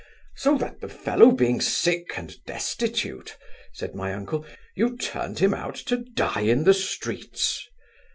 'So that the fellow being sick and destitute (said my uncle) you turned him out to die in the streets.